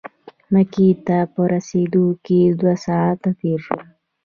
مکې ته په رسېدو کې دوه ساعته تېر شول.